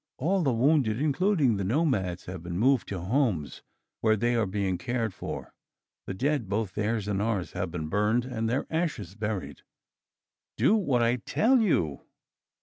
All the wounded, including the nomads, have been moved to homes where they are being cared for. The dead, both theirs and ours, have been burned and their ashes buried." "Do what I tell you!"